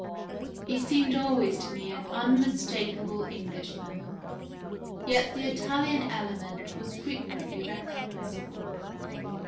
He seemed always to me an unmistakable Englishman, yet the Italian element was frequently recognisable.